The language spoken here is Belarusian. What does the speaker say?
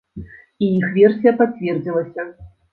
І іх версія пацвердзілася.